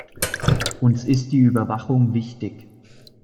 Uns ist die Überwachung wichtig.